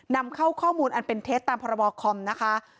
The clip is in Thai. นำเข้าข้อมูลอันเป็นเท็จตามพรบคอมนะคะ